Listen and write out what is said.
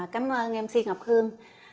cảm ơn em si ngọc hương